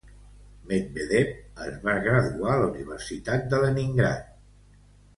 Medvedev es va graduar a la Universitat de Leningrad.